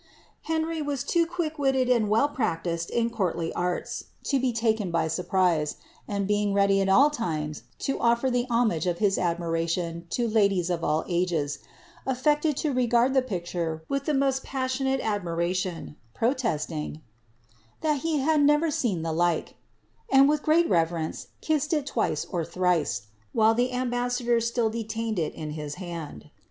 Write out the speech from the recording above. Henry was too quick witted and well practised in courtly arts to be taken by sur prise ; and being ready at all times to offer the homage of his admira tion to ladies of all ages, affected to regard the picture with the most passionate admiration, protesting " that he had never seen the like," and with great reverence kissed it twice or thrice, while the ambassador still detained it in his hand.